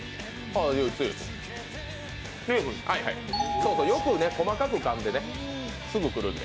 そうそう、よく細かくかんでね、すぐくるんで。